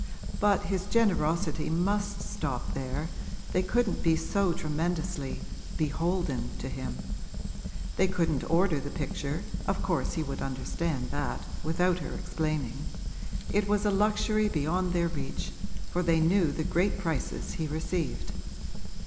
But his generosity must stop there they couldn't be so tremendously 'beholden' to him. They couldn't order the picture of course he would understand that, without her explaining: it was a luxury beyond their reach, for they knew the great prices he received.